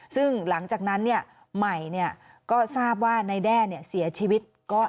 ซึ่งหลังจากนั้นใหม่ก็ทราบว่านายแด้เสียชีวิต